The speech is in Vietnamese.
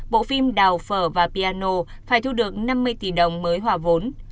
bộ phim đào phở và piano phải thu được năm mươi tỷ đồng mới hòa vốn